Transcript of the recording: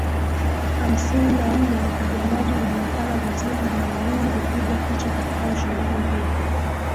hamsini na nne Wapiganaji hujulikana vizuri na mara nyingi hupigwa picha katika ushindani huo